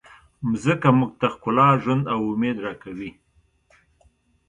مځکه موږ ته ښکلا، ژوند او امید راکوي.